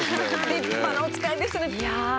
立派なおつかいでしたね。